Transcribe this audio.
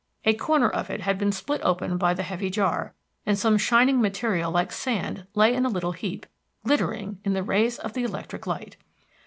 A corner of it had been split open by the heavy jar, and some shining material like sand lay in a little heap, glittering in the rays of the electric light.